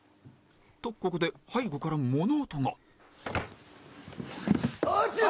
とここで背後から物音があっ落ちる！